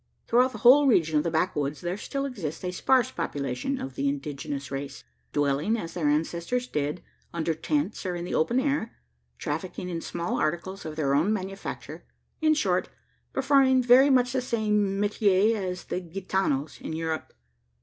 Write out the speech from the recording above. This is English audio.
Throughout the whole region of the backwoods, there still exists a sparse population of the indigenous race: dwelling, as their ancestors did, under tents or in the open air; trafficking in small articles of their own manufacture; in short, performing very much the same metier as the Gitanos in Europe.